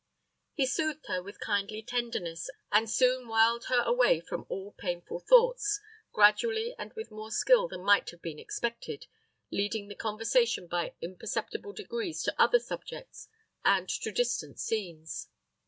He soothed her with kindly tenderness, and soon whiled her away from all painful thoughts, gradually and with more skill than might have been expected, leading the conversation by imperceptible degrees to other subjects and to distant scenes.